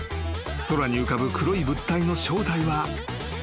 空に浮かぶ黒い物体の正体は］